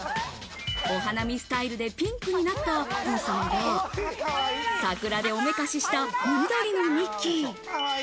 お花見スタイルでピンクになったプーさんや、桜でおめかしした、緑のミッキー。